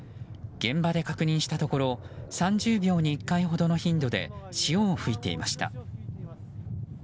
現場で確認したところ３０秒に１回ほどの頻度で潮を吹いていました。